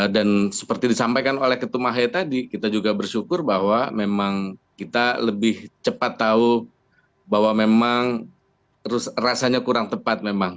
dan seperti disampaikan oleh ketumah ahaye tadi kita juga bersyukur bahwa memang kita lebih cepat tahu bahwa memang rasanya kurang tepat memang